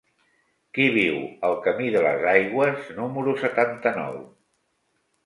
Qui viu al camí de les Aigües número setanta-nou?